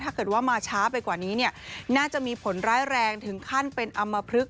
ถ้าเกิดว่ามาช้าไปกว่านี้น่าจะมีผลร้ายแรงถึงขั้นเป็นอำมพลึก